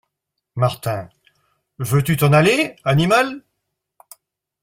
Martin.- Veux-tu t’en aller, animal !…